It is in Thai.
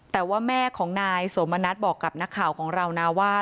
แต่ว่าแม่ของนายสมณัฐบอกกับนักข่าวของเรานะว่า